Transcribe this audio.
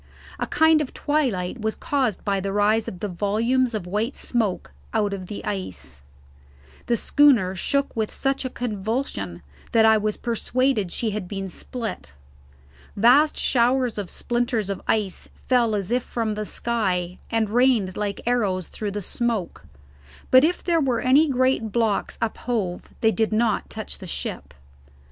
A kind of twilight was caused by the rise of the volumes of white smoke out of the ice. The schooner shook with such a convulsion that I was persuaded she had been split. Vast showers of splinters of ice fell as if from the sky, and rained like arrows through the smoke, but if there were any great blocks uphove they did not touch the ship.